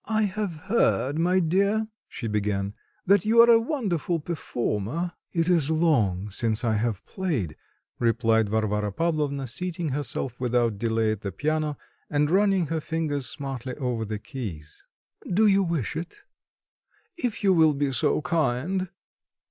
"I have heard, my dear," she began, "that you are a wonderful performer." "It is long since I have played," replied Varvara Pavlovna, seating herself without delay at the piano, and running her fingers smartly over the keys. "Do you wish it?" "If you will be so kind."